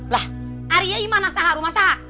lah area gimana saha rumah saha